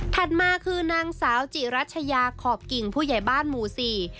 มาคือนางสาวจิรัชยาขอบกิ่งผู้ใหญ่บ้านหมู่สี่